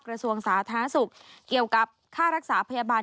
กระทรวงสาธารณสุขเกี่ยวกับค่ารักษาพยาบาล